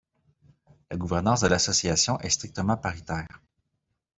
La gouvernance de l’association est strictement paritaire.